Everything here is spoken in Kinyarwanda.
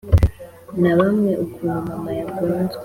nabamwe ukuntu mama yagonzwe.